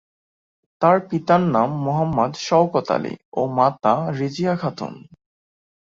তার পিতার নাম মো: শওকত আলী ও মাতা রিজিয়া খাতুন।